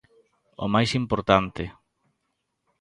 "O máis importante"."